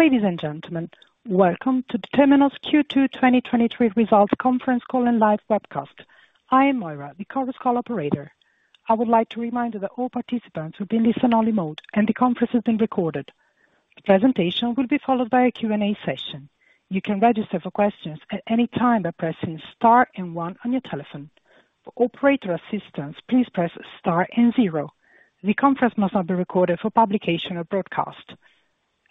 Ladies and gentlemen, welcome to the Temenos Q2 2023 results conference call and live webcast. I am Moira, the conference call operator. I would like to remind you that all participants will be in listen-only mode, and the conference is being recorded. The presentation will be followed by a Q&A session. You can register for questions at any time by pressing star and one on your telephone. For operator assistance, please press star and zero. The conference must not be recorded for publication or broadcast.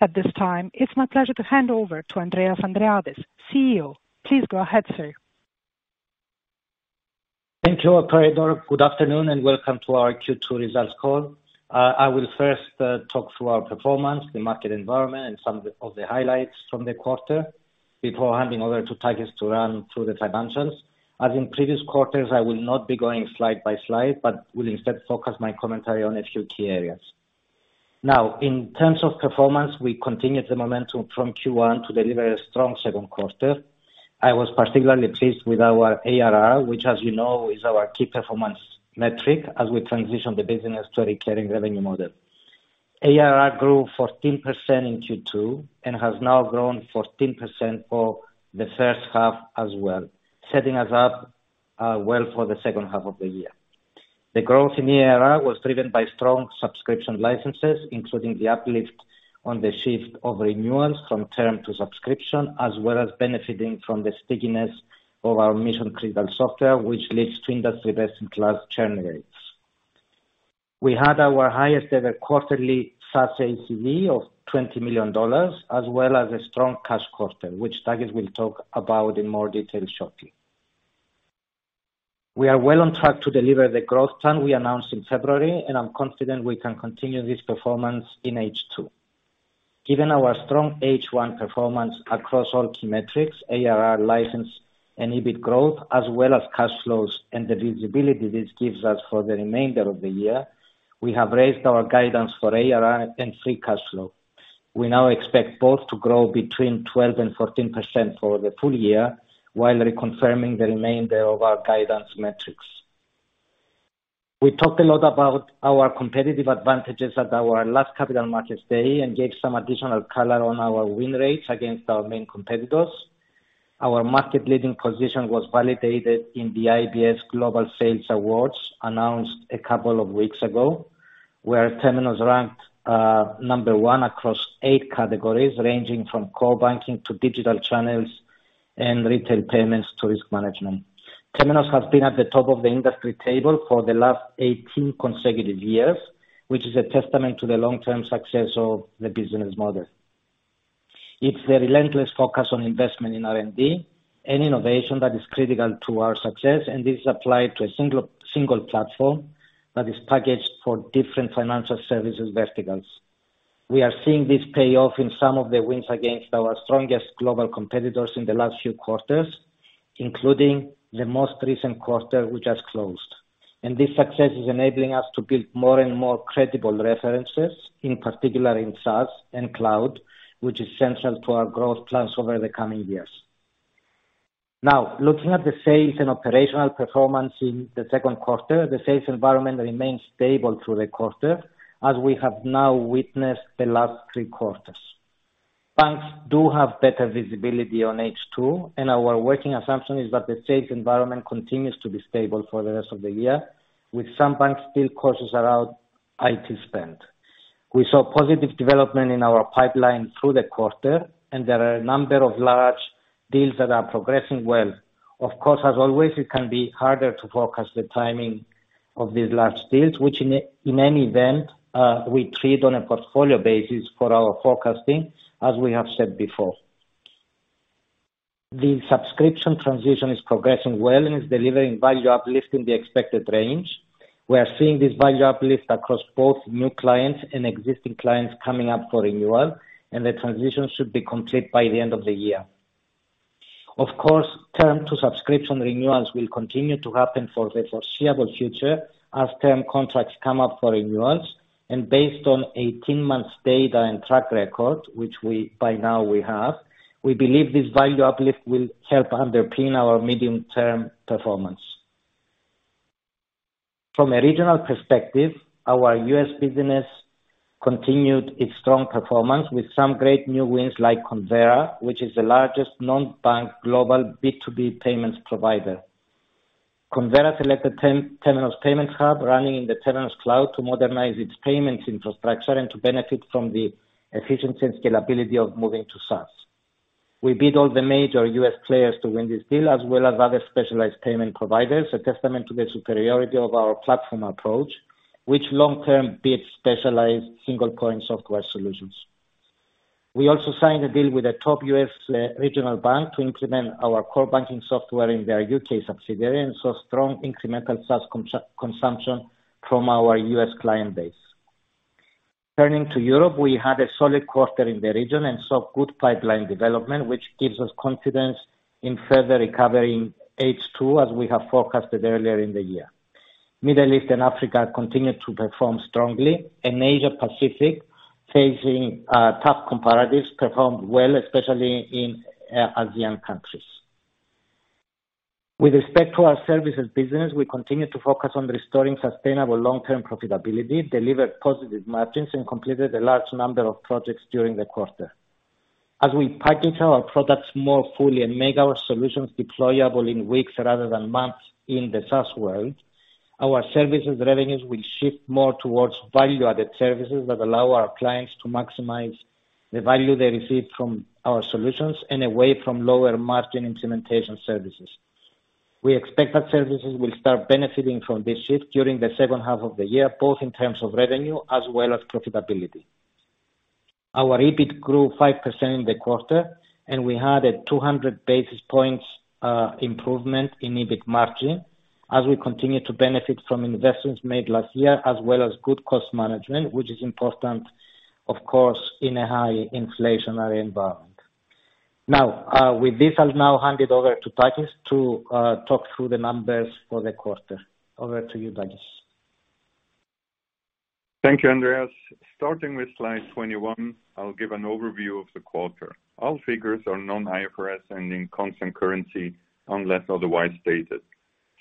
At this time, it's my pleasure to hand over to Andreas Andreades, CEO. Please go ahead, sir. Thank you, operator. Good afternoon, and welcome to our Q2 results call. I will first talk through our performance, the market environment, and some of the highlights from the quarter before handing over to Takis to run through the dimensions. As in previous quarters, I will not be going slide by slide, but will instead focus my commentary on a few key areas. Now, in terms of performance, we continued the momentum from Q1 to deliver a strong second quarter. I was particularly pleased with our ARR, which, as you know, is our key performance metric as we transition the business to a recurring revenue model. ARR grew 14% in Q2, and has now grown 14% for the first half as well, setting us up well for the second half of the year. The growth in the ARR was driven by strong subscription licenses, including the uplift on the shift of renewals from term to subscription, as well as benefiting from the stickiness of our mission-critical software, which leads to industry-best in class churn rates. We had our highest ever quarterly SaaS ACV of $20 million, as well as a strong cash quarter, which Takis will talk about in more detail shortly. We are well on track to deliver the growth plan we announced in February, and I'm confident we can continue this performance in H2. Given our strong H1 performance across all key metrics, ARR, license, and EBIT growth, as well as cash flows and the visibility this gives us for the remainder of the year, we have raised our guidance for ARR and free cash flow. We now expect both to grow between 12% and 14% for the full year, while reconfirming the remainder of our guidance metrics. We talked a lot about our competitive advantages at our last Capital Markets Day, and gave some additional color on our win rates against our main competitors. Our market-leading position was validated in the IBS Global Sales Awards, announced a couple of weeks ago, where Temenos ranked number one across eight categories, ranging from core banking to digital channels and retail payments to risk management. Temenos has been at the top of the industry table for the last 18 consecutive years, which is a testament to the long-term success of the business model. It's the relentless focus on investment in R&D and innovation that is critical to our success, and this is applied to a single platform that is packaged for different financial services verticals. We are seeing this pay off in some of the wins against our strongest global competitors in the last few quarters, including the most recent quarter we just closed. This success is enabling us to build more and more credible references, in particular in SaaS and cloud, which is central to our growth plans over the coming years. Looking at the sales and operational performance in the second quarter, the sales environment remains stable through the quarter, as we have now witnessed the last three quarters. Banks do have better visibility on H2, our working assumption is that the sales environment continues to be stable for the rest of the year, with some banks still cautious about IT spend. We saw positive development in our pipeline through the quarter, there are a number of large deals that are progressing well. Of course, as always, it can be harder to forecast the timing of these large deals, which in any event, we treat on a portfolio basis for our forecasting, as we have said before. The subscription transition is progressing well and is delivering value uplift in the expected range. We are seeing this value uplift across both new clients and existing clients coming up for renewal, and the transition should be complete by the end of the year. Of course, term to subscription renewals will continue to happen for the foreseeable future as term contracts come up for renewals, and based on 18 months data and track record, which by now we have, we believe this value uplift will help underpin our medium-term performance. From a regional perspective, our U.S. business continued its strong performance with some great new wins like Convera, which is the largest non-bank global B2B payments provider. Convera selected Temenos Payment Hub, running in the Temenos Cloud, to modernize its payments infrastructure and to benefit from the efficiency and scalability of moving to SaaS. We beat all the major U.S. players to win this deal, as well as other specialized payment providers, a testament to the superiority of our platform approach, which long term beats specialized single-point software solutions. We also signed a deal with a top U.S. regional bank to implement our core banking software in their U.K. subsidiary, and saw strong incremental SaaS consumption from our U.S. client base. Turning to Europe, we had a solid quarter in the region and saw good pipeline development, which gives us confidence in further recovery in H2, as we have forecasted earlier in the year. Middle East and Africa continued to perform strongly, and Asia Pacific, facing tough comparatives, performed well, especially in ASEAN countries. With respect to our services business, we continue to focus on restoring sustainable long-term profitability, delivered positive margins, and completed a large number of projects during the quarter. As we package our products more fully and make our solutions deployable in weeks rather than months in the SaaS world, our services revenues will shift more towards value-added services that allow our clients to maximize the value they receive from our solutions and away from lower margin implementation services. We expect that services will start benefiting from this shift during the second half of the year, both in terms of revenue as well as profitability. Our EBIT grew 5% in the quarter, and we had a 200 basis points improvement in EBIT margin as we continue to benefit from investments made last year, as well as good cost management, which is important, of course, in a high inflationary environment. Now, with this, I'll now hand it over to Takis to talk through the numbers for the quarter. Over to you, Takis. Thank you, Andreas. Starting with slide 21, I'll give an overview of the quarter. All figures are non-IFRS and in constant currency, unless otherwise stated.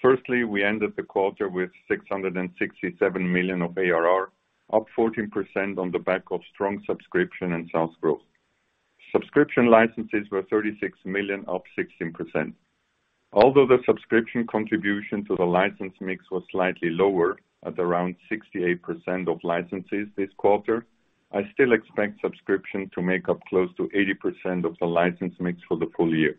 Firstly, we ended the quarter with $667 million of ARR, up 14% on the back of strong subscription and SaaS growth. Subscription licenses were $36 million, up 16%. The subscription contribution to the license mix was slightly lower at around 68% of licenses this quarter, I still expect subscription to make up close to 80% of the license mix for the full year.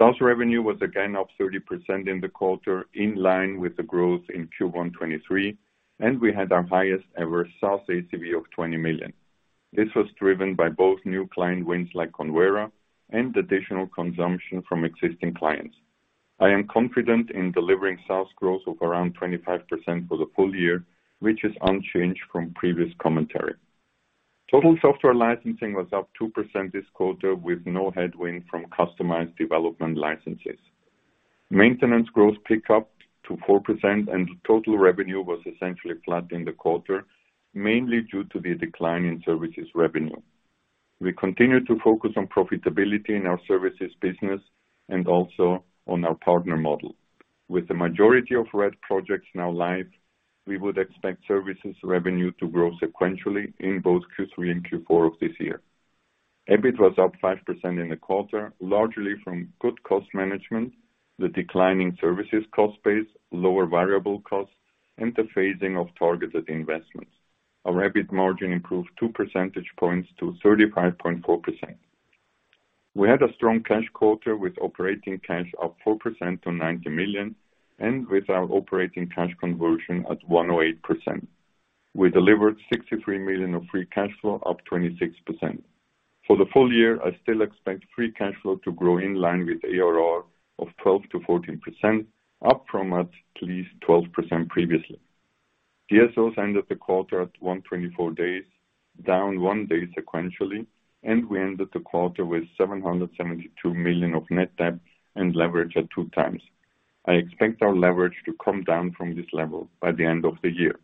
SaaS revenue was again up 30% in the quarter, in line with the growth in Q1 2023, and we had our highest ever SaaS ACV of $20 million. This was driven by both new client wins like Convera and additional consumption from existing clients. I am confident in delivering SaaS growth of around 25% for the full year, which is unchanged from previous commentary. Total software licensing was up 2% this quarter, with no headwind from customized development licenses. Maintenance growth picked up to 4%. Total revenue was essentially flat in the quarter, mainly due to the decline in services revenue. We continue to focus on profitability in our services business and also on our partner model. With the majority of RED projects now live, we would expect services revenue to grow sequentially in both Q3 and Q4 of this year. EBIT was up 5% in the quarter, largely from good cost management, the declining services cost base, lower variable costs, and the phasing of targeted investments. Our EBIT margin improved 2 percentage points to 35.4%. We had a strong cash quarter with operating cash up 4% to $90 million with our operating cash conversion at 108%. We delivered $63 million of free cash flow, up 26%. For the full year, I still expect free cash flow to grow in line with ARR of 12%-14% up from at least 12% previously. DSOs ended the quarter at 124 days, down one day sequentially, we ended the quarter with $772 million of net debt and leverage at 2x. I expect our leverage to come down from this level by the end of the year.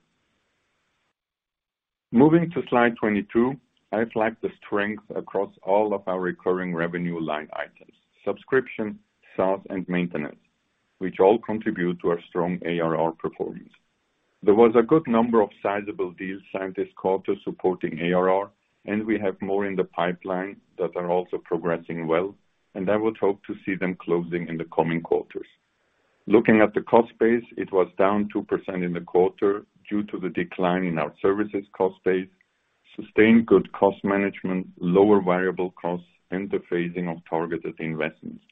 Moving to slide 22, I flagged the strength across all of our recurring revenue line items: subscription, SaaS, and maintenance, which all contribute to our strong ARR performance. There was a good number of sizable deals signed this quarter supporting ARR, and we have more in the pipeline that are also progressing well, and I would hope to see them closing in the coming quarters. Looking at the cost base, it was down 2% in the quarter due to the decline in our services cost base, sustained good cost management, lower variable costs, and the phasing of targeted investments.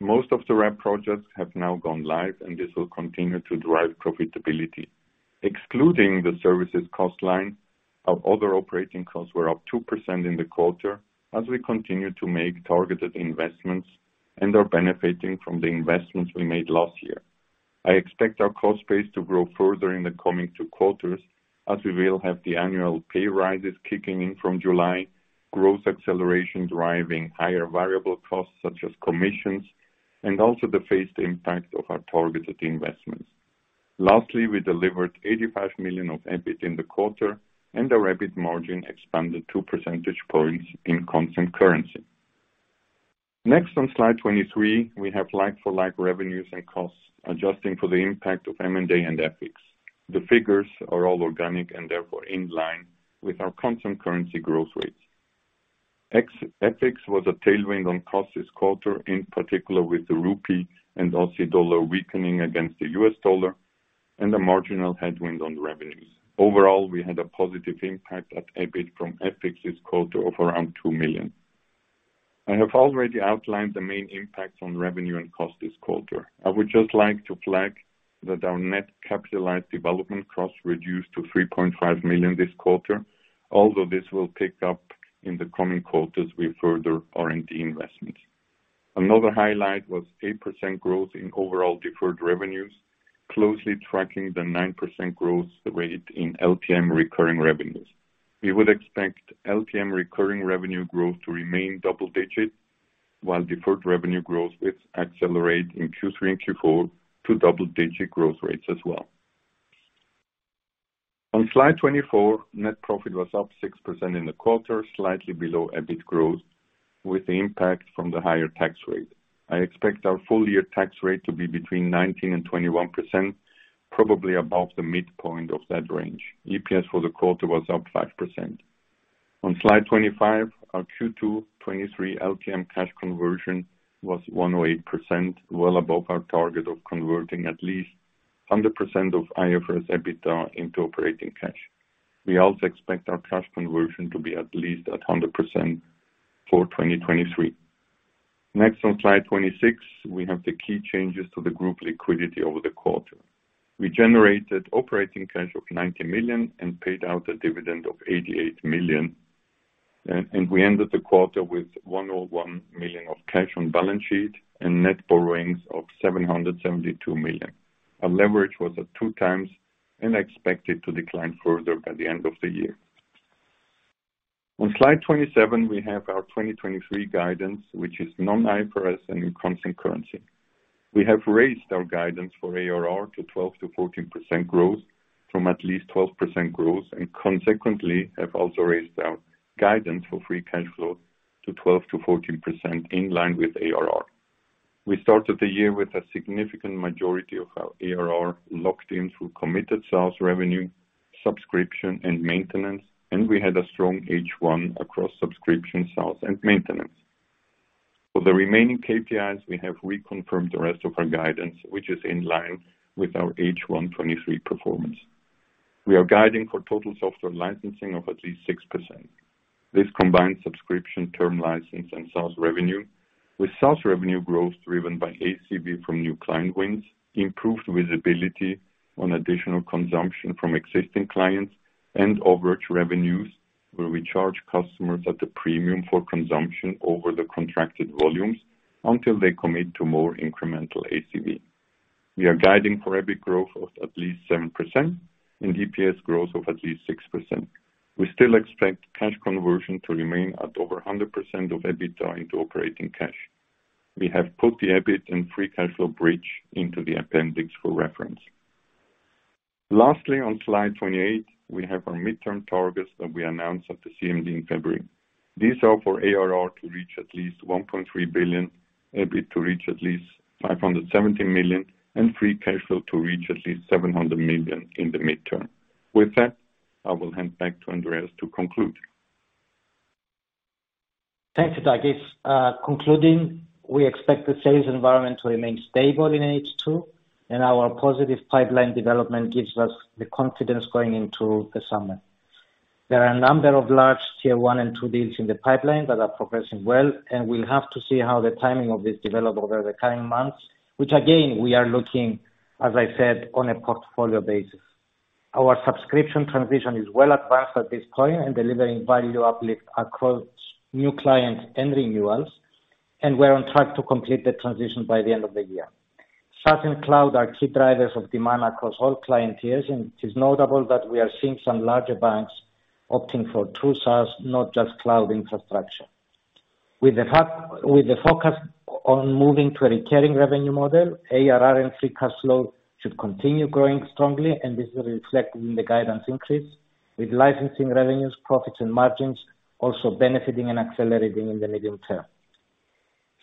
Most of the RED projects have now gone live, and this will continue to drive profitability. Excluding the services cost line, our other operating costs were up 2% in the quarter as we continue to make targeted investments and are benefiting from the investments we made last year. I expect our cost base to grow further in the coming two quarters as we will have the annual pay rises kicking in from July, growth acceleration driving higher variable costs such as commissions, and also the phased impact of our targeted investments. Lastly, we delivered $85 million of EBIT in the quarter, and our EBIT margin expanded 2 percentage points in constant currency. Next, on slide 23, we have like-for-like revenues and costs, adjusting for the impact of M&A and FX. The figures are all organic and therefore in line with our constant currency growth rates. Ex-FX was a tailwind on costs this quarter, in particular with the rupee and Aussie dollar weakening against the U.S. dollar and a marginal headwind on revenues. Overall, we had a positive impact at EBIT from FX this quarter of around $2 million. I have already outlined the main impacts on revenue and cost this quarter. I would just like to flag that our net capitalized development costs reduced to $3.5 million this quarter, although this will pick up in the coming quarters with further R&D investments. Another highlight was 8% growth in overall deferred revenues, closely tracking the 9% growth rate in LTM recurring revenues. We would expect LTM recurring revenue growth to remain double digits, while deferred revenue growth rates accelerate in Q3 and Q4 to double-digit growth rates as well. On slide 24, net profit was up 6% in the quarter, slightly below EBIT growth, with the impact from the higher tax rate. I expect our full year tax rate to be between 19%-21%, probably above the midpoint of that range. EPS for the quarter was up 5%. On slide 25, our Q2 '23 LTM cash conversion was 108%, well above our target of converting at least 100% of IFRS EBITDA into operating cash. We also expect our cash conversion to be at least at 100% for 2023. Next, on slide 26, we have the key changes to the group liquidity over the quarter. We generated operating cash of $90 million and paid out a dividend of $88 million, we ended the quarter with $101 million of cash on balance sheet and net borrowings of $772 million. Our leverage was at 2x and expected to decline further by the end of the year. On slide 27 we have our 2023 guidance, which is non-IFRS and in constant currency. We have raised our guidance for ARR to 12%-14% growth from at least 12% growth, and consequently have also raised our guidance for free cash flow to 12%-14% in line with ARR. We started the year with a significant majority of our ARR locked in through committed sales, revenue, subscription, and maintenance, and we had a strong H1 across subscription, sales, and maintenance. For the remaining KPIs, we have reconfirmed the rest of our guidance, which is in line with our H1 2023 performance. We are guiding for total software licensing of at least 6%. This combines subscription, term license, and sales revenue, with sales revenue growth driven by ACV from new client wins, improved visibility on additional consumption from existing clients, and overage revenues, where we charge customers at a premium for consumption over the contracted volumes until they commit to more incremental ACV. We are guiding for EBIT growth of at least 7% and DPS growth of at least 6%. We still expect cash conversion to remain at over 100% of EBITDA into operating cash. We have put the EBIT and free cash flow bridge into the appendix for reference. Lastly, on slide 28 we have our midterm targets that we announced at the CMD in February.These are for ARR to reach at least $1.3 billion, EBIT to reach at least $570 million, and free cash flow to reach at least $700 million in the midterm. With that, I will hand back to Andreas to conclude. Thank you, Takis. Concluding, we expect the sales environment to remain stable in H2, and our positive pipeline development gives us the confidence going into the summer. There are a number of large tier 1 and 2 deals in the pipeline that are progressing well, and we'll have to see how the timing of this develop over the coming months, which again, we are looking as I said on a portfolio basis. Our subscription transition is well advanced at this point and delivering value uplift across new clients and renewals, and we're on track to complete the transition by the end of the year. SaaS and cloud are key drivers of demand across all client tiers, and it is notable that we are seeing some larger banks opting for true SaaS, not just cloud infrastructure. With the focus on moving to a recurring revenue model, ARR and free cash flow should continue growing strongly, and this is reflected in the guidance increase, with licensing revenues, profits, and margins also benefiting and accelerating in the medium term.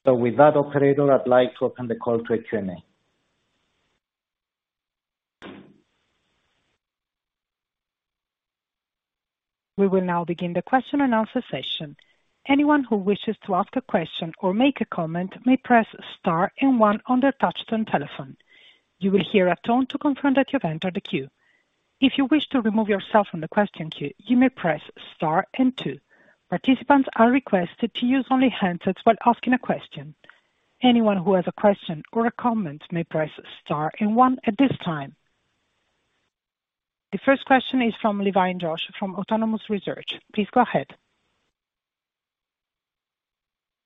With that, operator, I'd like to open the call to Q&A. We will now begin the question-and-answer session. Anyone who wishes to ask a question or make a comment may press star and one on their touchtone telephone. You will hear a tone to confirm that you've entered the queue. If you wish to remove yourself from the question queue, you may press star and two. Participants are requested to use only handsets while asking a question. Anyone who has a question or a comment may press star and one at this time. The first question is from Josh Levin from Autonomous Research. Please go ahead.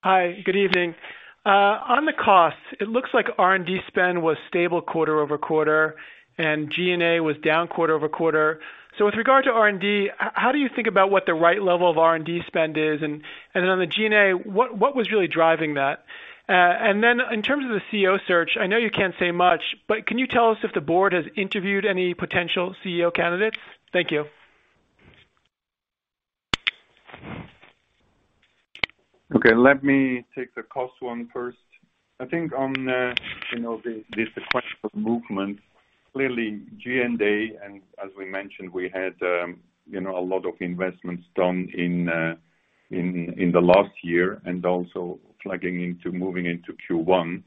Hi, good evening. On the costs, it looks like R&D spend was stable quarter-over-quarter, and G&A was down quarter-over-quarter. With regard to R&D, how do you think about what the right level of R&D spend is? Then on the G&A, what was really driving that? Then in terms of the CEO search, I know you can't say much, but can you tell us if the board has interviewed any potential CEO candidates? Thank you. Okay, let me take the cost one first. I think on, you know, the sequential movement, clearly G&A, and as we mentioned, we had, you know, a lot of investments done in the last year, and also flagging into moving into Q1.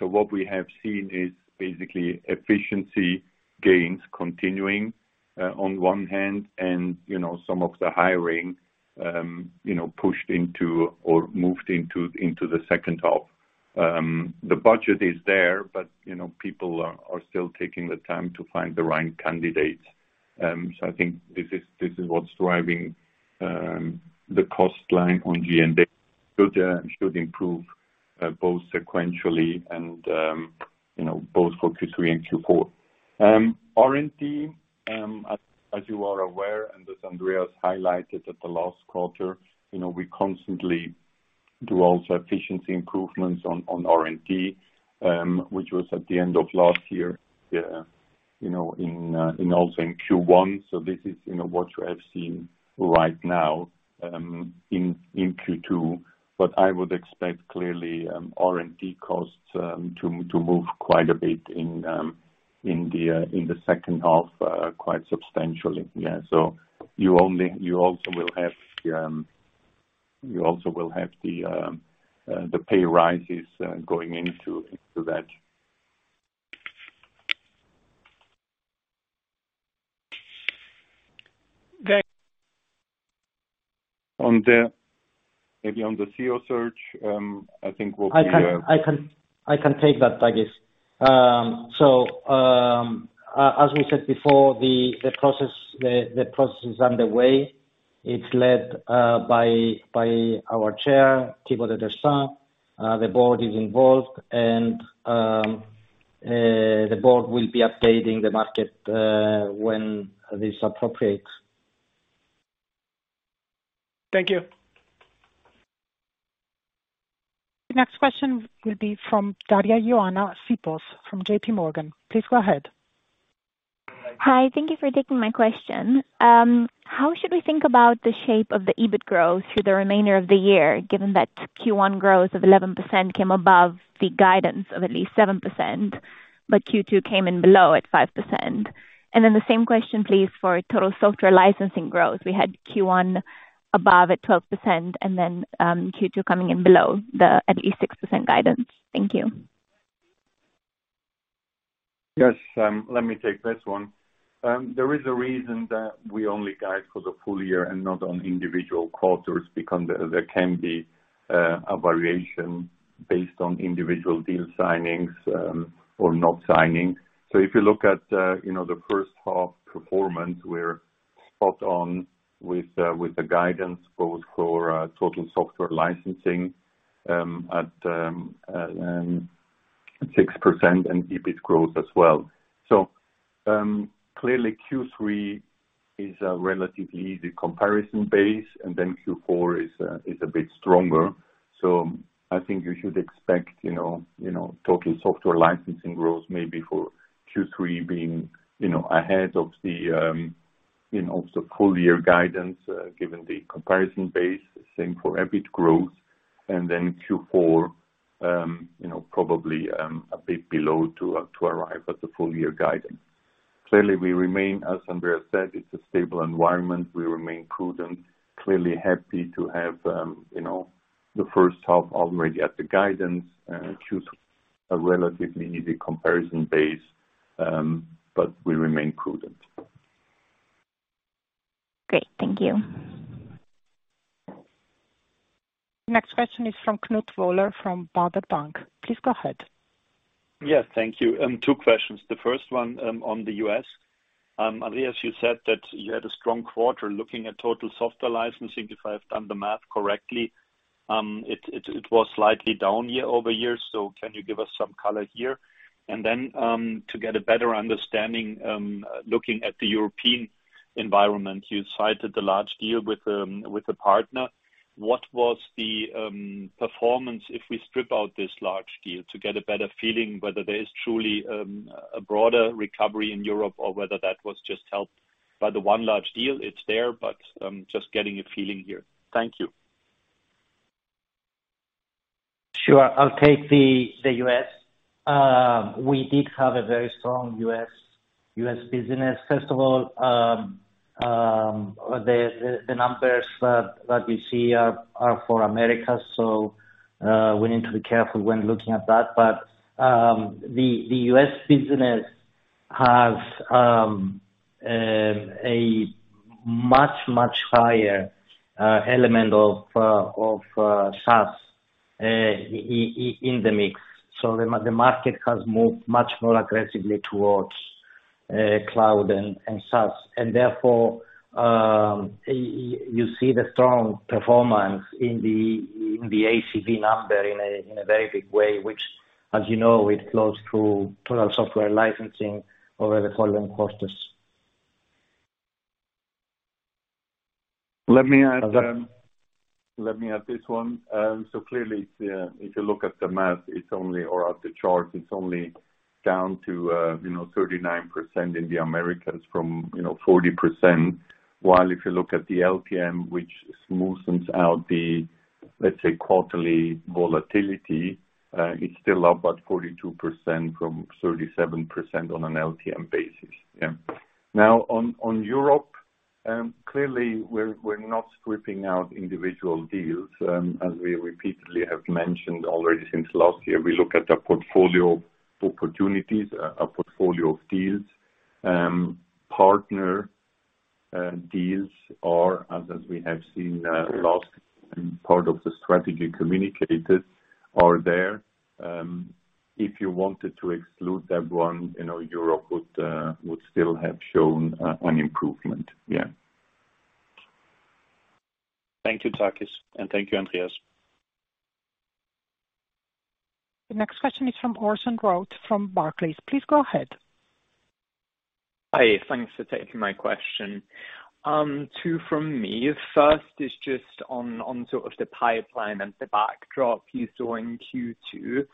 What we have seen is basically efficiency gains continuing on one hand and, you know, some of the hiring, you know, pushed into or moved into the second half. The budget is there, you know, people are still taking the time to find the right candidates. I think this is what's driving the cost line on G&A. It should improve both sequentially and, you know, both for Q3 and Q4. R&D, as you are aware, and as Andreas highlighted at the last quarter, you know, we do also efficiency improvements on R&D, which was at the end of last year, you know, in also in Q1. This is, you know, what you have seen right now, in Q2. I would expect clearly R&D costs to move quite a bit in the second half, quite substantially. You also will have the pay rises going into that. Then- On the, maybe on the CEO search, I think we'll be. I can take that, Takis. As we said before, the process is underway. It's led by our chair, Thibault de Tersant. The board is involved. The board will be updating the market when it is appropriate. Thank you. The next question will be from Daria-Ioana Sipos from JPMorgan. Please go ahead. Hi, thank you for taking my question. How should we think about the shape of the EBIT growth through the remainder of the year, given that Q1 growth of 11% came above the guidance of at least 7%, but Q2 came in below at 5%? The same question, please, for total software licensing growth. We had Q1 above at 12% and then, Q2 coming in below the at least 6% guidance. Thank you. Yes, let me take this one. There is a reason that we only guide for the full year and not on individual quarters, because there can be a variation based on individual deal signings or not signing. If you look at, you know, the first half performance, we're spot on with the guidance, both for total software licensing, at 6%, and EBIT growth as well. Clearly Q3 is a relatively easy comparison base, and then Q4 is a bit stronger. I think you should expect, you know, you know, total software licensing growth maybe for Q3 being, you know, ahead of the, you know, the full year guidance, given the comparison base. The same for EBIT growth. Q4, you know, probably, a bit below to arrive at the full year guidance. We remain, as Andreas said, it's a stable environment. We remain prudent, clearly happy to have, you know, the first half already at the guidance Q2 a relatively easy comparison base. We remain prudent. Great, thank you. Next question is from Knut Woller, from Baader Bank. Please go ahead. Yeah, thank you. two questions. The first one, on the U.S. Andreas, you said that you had a strong quarter looking at total software licensing. If I've done the math correctly, it was slightly down year-over-year. Can you give us some color here? To get a better understanding, looking at the European environment, you cited the large deal with a partner. What was the performance if we strip out this large deal to get a better feeling whether there is truly a broader recovery in Europe or whether that was just helped by the one large deal? It's there, but just getting a feeling here. Thank you. Sure. I'll take the U.S. We did have a very strong U.S. business. First of all, the numbers that we see are for Americas, so we need to be careful when looking at that. The U.S. business has a much higher element of SaaS in the mix. The market has moved much more aggressively towards cloud and SaaS. Therefore, you see the strong performance in the ACV number in a very big way, which, as you know, it flows through total software licensing over the following quarters. Let me add. Okay. Let me add this one. Clearly, if you look at the math, or at the chart, it's only down to 39% in the Americas from 40%. While if you look at the LTM, which smoothens out the, let's say, quarterly volatility, it's still up about 42% from 37% on an LTM basis. Now, on Europe, clearly we're not stripping out individual deals. As we repeatedly have mentioned already since last year, we look at a portfolio of opportunities, a portfolio of deals. Partner deals are, as we have seen, last part of the strategy communicated, are there. If you wanted to exclude that one, Europe would still have shown an improvement. Thank you, Takis, and thank you, Andreas. The next question is from James Goodman from Barclays. Please go ahead. Hi, thanks for taking my question. Two, from me. First is just on sort of the pipeline and the backdrop you saw in Q2,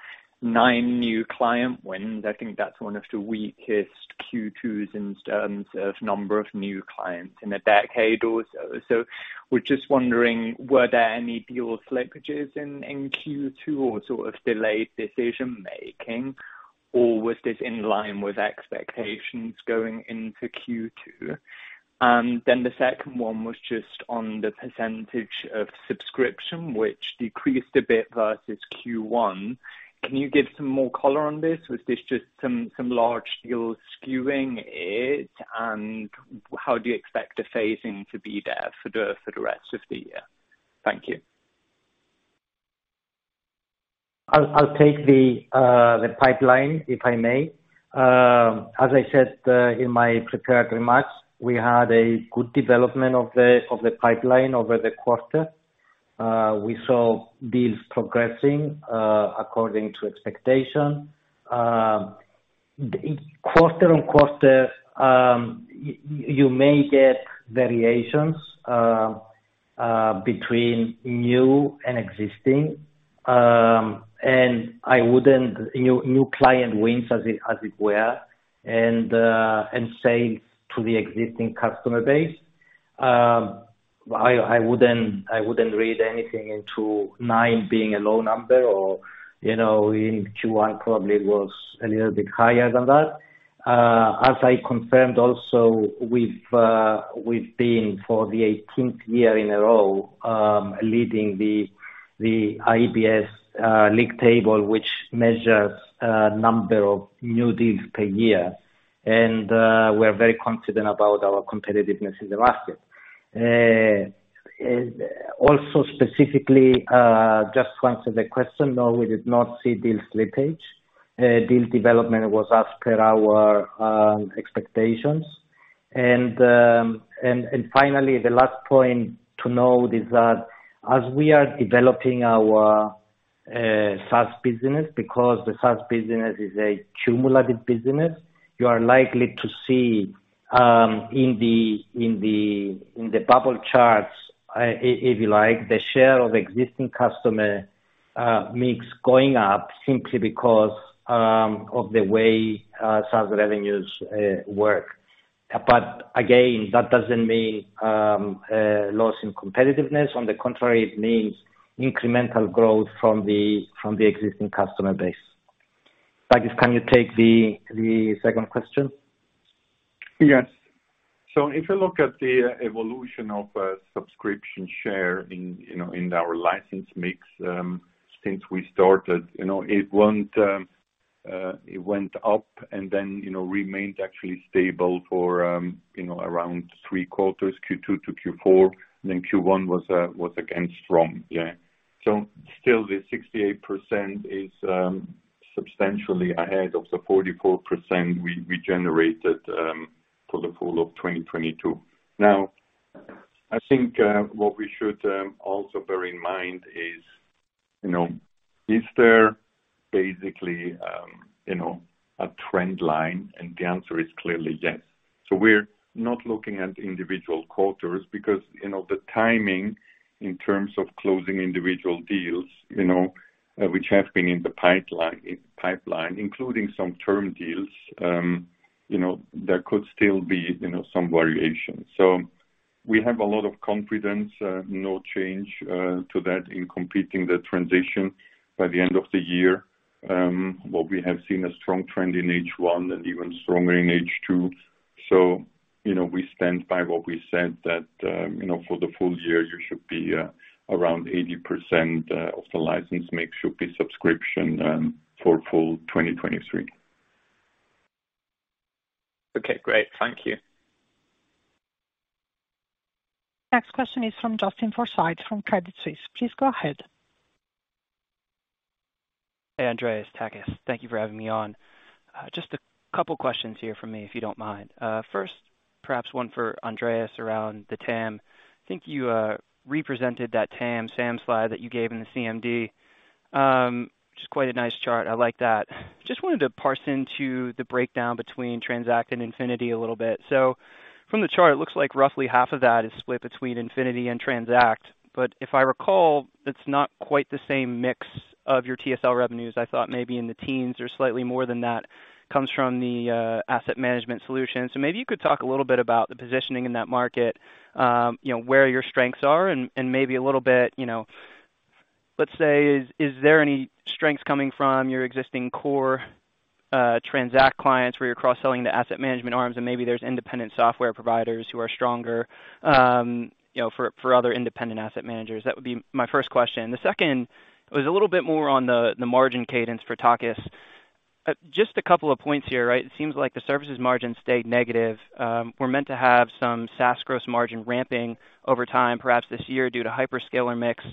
nine new client wins. I think that's 1 of the weakest Q2s in terms of number of new clients in a decade or so. We're just wondering, were there any deal slippages in Q2 or sort of delayed decision making, or was this in line with expectations going into Q2? The second one was just on the percentage of subscription, which decreased a bit versus Q1. Can you give some more color on this? Was this just some large deals skewing it? And how do you expect the phasing to be there for the, for the rest of the year? Thank you. I'll take the pipeline, if I may. As I said, in my prepared remarks, we had a good development of the pipeline over the quarter. We saw deals progressing according to expectation. Quarter on quarter, you may get variations between new and existing. New client wins as it were, and same to the existing customer base. I wouldn't read anything into nine being a low number or, you know, in Q1 probably was a little bit higher than that. As I confirmed also, we've been, for the 18th year in a row, leading the IBSi Sales League Table, which measures number of new deals per year. We're very confident about our competitiveness in the market. Specifically, just to answer the question, no, we did not see deal slippage. Deal development was as per our expectations. Finally, the last point to note is that as we are developing our SaaS business, because the SaaS business is a cumulative business, you are likely to see in the bubble charts, if you like, the share of existing customer mix going up simply because of the way SaaS revenues work. Again, that doesn't mean a loss in competitiveness. On the contrary, it means incremental growth from the existing customer base. Takis, can you take the second question? Yes. If you look at the evolution of subscription share in, you know, in our license mix, since we started, you know, it went up and then, you know, remained actually stable for, you know, around three quarters, Q2 to Q4, then Q1 was again strong. Yeah. Still, the 68% is substantially ahead of the 44% we generated for the full of 2022. I think, what we should also bear in mind is, you know, is there basically, you know, a trend line? The answer is clearly yes. We're not looking at individual quarters because, you know, the timing in terms of closing individual deals, you know, which have been in the pipeline, including some term deals, you know, there could still be, you know, some variation. We have a lot of confidence, no change to that in completing the transition by the end of the year. What we have seen a strong trend in H1 and even stronger in H2. You know, we stand by what we said, that, you know, for the full year, you should be around 80% of the license mix should be subscription for full 2023. Okay, great. Thank you. Next question is from Justin Forsythe, from Credit Suisse. Please go ahead. Hey, Andreas, Takis. Thank you for having me on. Just a couple questions here from me, if you don't mind. First, perhaps one for Andreas around the TAM. I think you represented that TAM, SAM slide that you gave in the CMD. Just quite a nice chart. I like that. Just wanted to parse into the breakdown between Transact and Infinity a little bit. From the chart, it looks like roughly half of that is split between Infinity and Transact. If I recall, it's not quite the same mix of your TSL revenues. I thought maybe in the teens or slightly more than that comes from the asset management solution. Maybe you could talk a little bit about the positioning in that market, you know, where your strengths are and maybe a little bit. Let's say, is there any strengths coming from your existing core Transact clients, where you're cross-selling the asset management arms, and maybe there's independent software providers who are stronger, you know, for other independent asset managers? That would be my first question. The second was a little bit more on the margin cadence for Takis. Just a couple of points here, right? It seems like the services margin stayed negative. We're meant to have some SaaS gross margin ramping over time, perhaps this year, due to hyperscaler mix.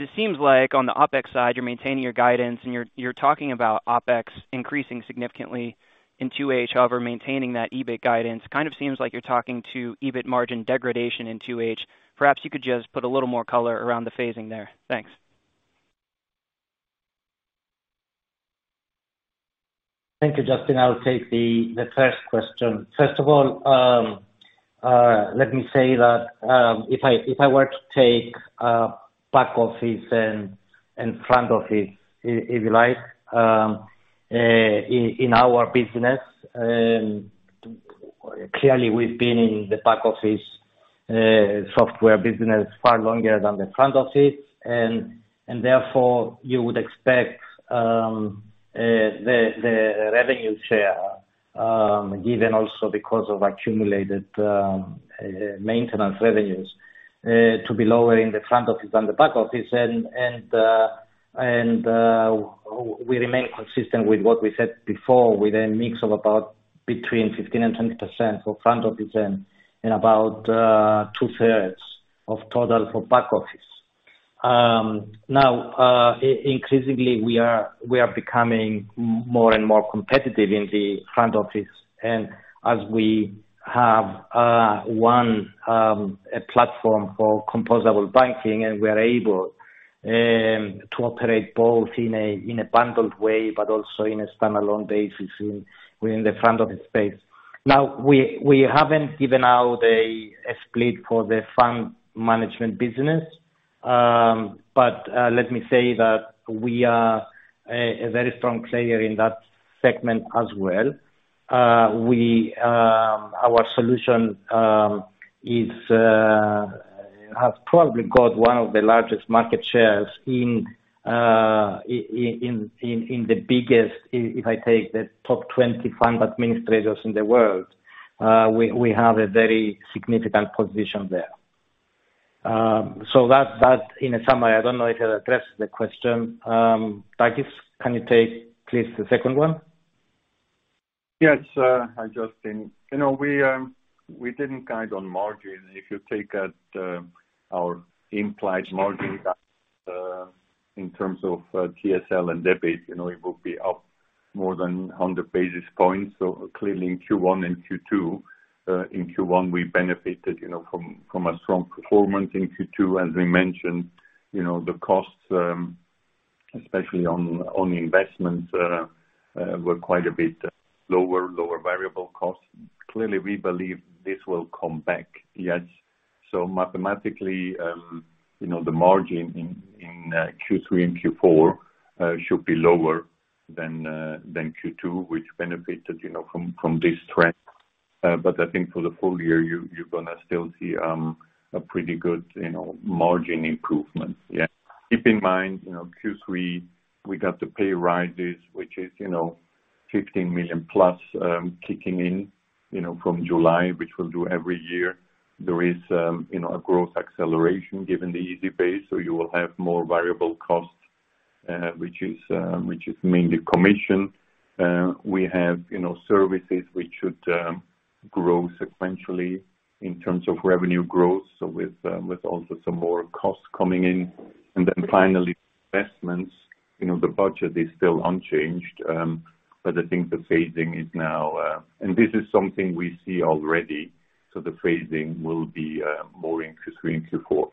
It seems like on the OpEx side, you're maintaining your guidance and you're talking about OpEx increasing significantly in 2H, however, maintaining that EBIT guidance. Kind of seems like you're talking to EBIT margin degradation in 2H. Perhaps you could just put a little more color around the phasing there. Thanks. Thank you, Justin. I'll take the first question. First of all, let me say that, if I were to take back office and front office, if you like, in our business, clearly we've been in the back office software business far longer than the front office, and therefore, you would expect the revenue share, given also because of accumulated maintenance revenues, to be lower in the front office than the back office. We remain consistent with what we said before, with a mix of about between 15% and 20% for front office and about two-thirds of total for back office. Now, increasingly, we are becoming more and more competitive in the front office, as we have one platform for composable banking, and we're able to operate both in a bundled way, but also in a standalone basis in the front office space. We haven't given out a split for the fund management business, but let me say that we are a very strong player in that segment as well. Our solution has probably got one of the largest market shares in the biggest if I take the top 20 fund administrators in the world, we have a very significant position there. In a summary, I don't know if it addresses the question. Takis, can you take, please, the second one? Yes, hi, Justin. You know, we didn't guide on margin. If you take at our implied margin, in terms of TSL and debit, you know, it will be up more than 100 basis points. Clearly, in Q1 and Q2, in Q1, we benefited, you know, from a strong performance. In Q2, as we mentioned, you know, the costs, especially on investments, were quite a bit lower variable costs. Clearly, we believe this will come back, yes. Mathematically, you know, the margin in Q3 and Q4 should be lower than Q2, which benefited, you know, from this trend. But I think for the full year, you're gonna still see a pretty good, you know, margin improvement. Yeah. Keep in mind, you know, Q3, we got the pay rises, which is, you know, $15 million+, kicking in, you know, from July, which we'll do every year. There is, you know, a growth acceleration given the easy base, so you will have more variable costs, which is mainly commission. We have, you know, services which should grow sequentially in terms of revenue growth, so with also some more costs coming in. Finally, investments. You know, the budget is still unchanged, but I think the phasing is now. This is something we see already, so the phasing will be more in Q3 and Q4.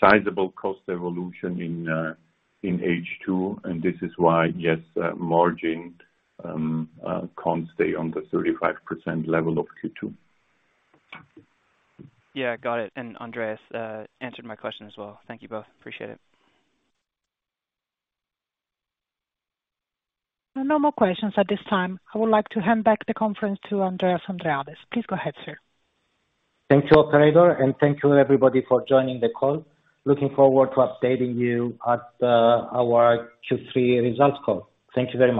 Sizable cost evolution in H2, and this is why, yes, margin can't stay on the 35% level of Q2. Yeah, got it. Andreas answered my question as well. Thank you both. Appreciate it. There are no more questions at this time. I would like to hand back the conference to Andreas Andreades. Please go ahead, sir. Thank you, operator, and thank you everybody for joining the call. Looking forward to updating you at our Q3 results call. Thank you very much.